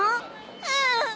うん。